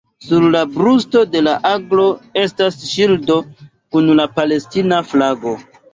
Sur la brusto de la aglo estas ŝildo kun la palestina flago.